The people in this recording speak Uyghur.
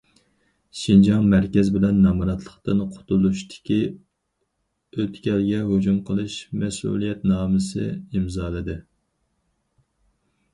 شىنجاڭ مەركەز بىلەن نامراتلىقتىن قۇتۇلدۇرۇشتىكى ئۆتكەلگە ھۇجۇم قىلىش مەسئۇلىيەتنامىسى ئىمزالىدى.